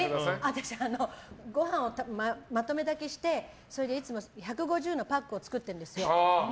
私、ご飯をまとめ炊きしてそれでいつも１５０のパックを作ってるんですよ。